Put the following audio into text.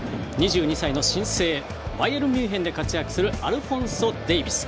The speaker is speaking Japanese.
２２歳の新生バイエルンミュンヘンで活躍するアルフォンソ・デイビス。